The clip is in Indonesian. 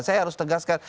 saya harus tegaskan